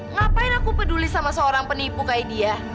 ngapain aku peduli sama seorang penipu kayak dia